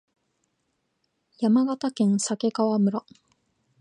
山形県鮭川村